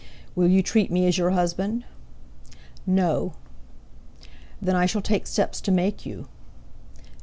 "Will you treat me as your husband?" "No." "Then, I shall take steps to make you."